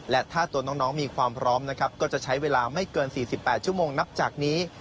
และถ้าตัวน้องมีความพร้อมนะครับก็จะใช้เวลาไม่เกิน๔๘ชั่วโมงนับจากนี้